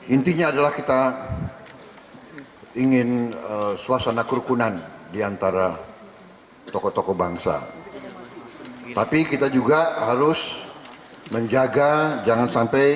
intinya adalah kita ingin suasana kerukunan